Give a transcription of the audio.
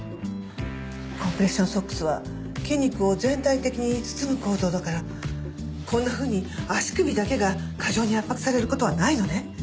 コンプレッションソックスは筋肉を全体的に包む構造だからこんなふうに足首だけが過剰に圧迫される事はないのね。